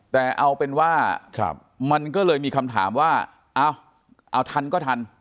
แต่เอาเป็นว่ามันก็เลยมีคำถามว่าเอาทันก็ทัน